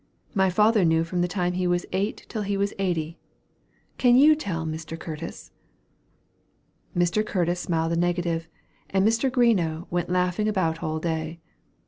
My father knew from the time he was eight till he was eighty. Can you tell, Mr. Curtis?" Mr. Curtis smiled a negative; and Mr. Greenough went laughing about all day.